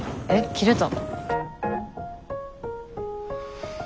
切れた。